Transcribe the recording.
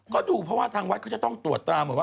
ก็ดูเพราะว่าทางวัดเขาจะต้องตรวจตราหมดว่า